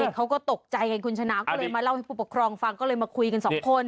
เขาก็ตกใจกันคุณชนะก็เลยมาเล่าให้ผู้ปกครองฟังก็เลยมาคุยกันสองคน